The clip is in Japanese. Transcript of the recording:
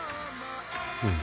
うん。